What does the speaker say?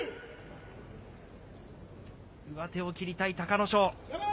上手を切りたい隆の勝。